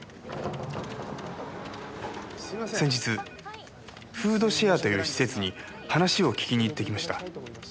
先日フードシェアという施設に話を聞きに行ってきました。